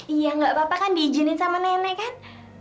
iya gak apa apa kan diijinin sama nenek kan